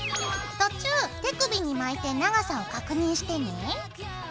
途中手首に巻いて長さを確認してね。